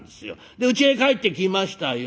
でうちへ帰ってきましたよ。